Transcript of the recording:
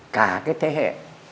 cả cái thế hệ